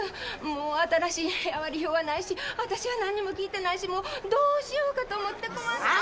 もう新しい部屋割り表はないし私はなんにも聞いてないしもうどうしようかと思って困って。